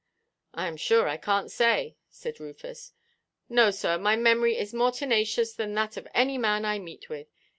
"I am sure I canʼt say," said Rufus. "No, sir, my memory is more tenacious than that of any man I meet with.